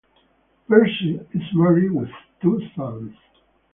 Pearce is married with two sons.